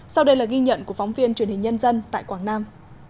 sau đây là ghi nhận của phóng viên truyền hình nhân dân tại quảng nam